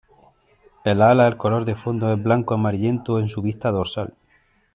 En las alas el color de fondo es blanco amarillento en su vista dorsal.